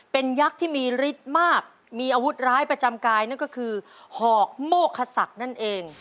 เป็นยักษ์ที่มีฤทธิ์มากมีอาวุธร้ายประจำกายนั่นก็คือหอกโมคศักดิ์นั่นเอง